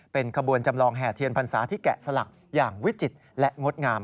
เป็นขบวนจำลองแห่เทียนพรรษาที่แกะสลักอย่างวิจิตรและงดงาม